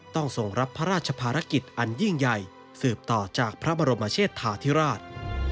ต้องส่งรับพระราชภารกิจอันยิ่งใหญ่สืบต่อจากพระบรมเชษฐาธิราช